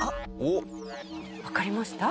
わかりました？